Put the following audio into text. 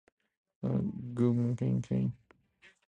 A. Guggenheim.